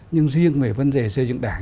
nhưng riêng về vấn đề xây dựng đảng